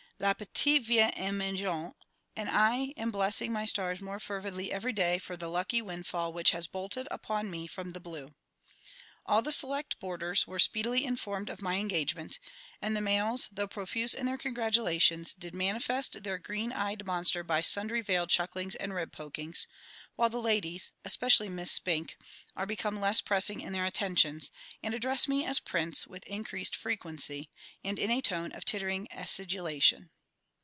L'appétit vient en mangeant, and I am blessing my stars more fervidly every day for the lucky windfall which has bolted upon me from the blue. All the select boarders were speedily informed of my engagement, and the males though profuse in their congratulations, did manifest their green eyed monster by sundry veiled chucklings and rib pokings, while the ladies especially Miss SPINK are become less pressing in their attentions, and address me as "Prince" with increased frequency, and in a tone of tittering acidulation.